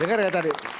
dengar ya tadi